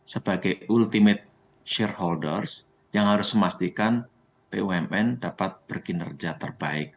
sebagai ultimate shareholders yang harus memastikan bumn dapat berkinerja terbaik